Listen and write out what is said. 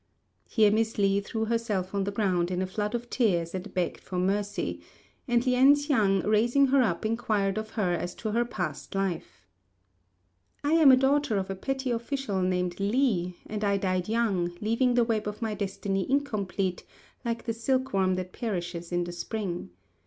Here Miss Li threw herself on the ground in a flood of tears and begged for mercy; and Lien hsiang, raising her up, inquired of her as to her past life. "I am a daughter of a petty official named Li, and I died young, leaving the web of my destiny incomplete, like the silkworm that perishes in the spring.